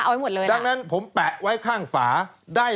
สวัสดีค่ะต้อนรับคุณบุษฎี